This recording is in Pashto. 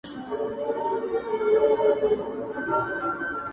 جنون د حسن پر امساء باندې راوښويدی-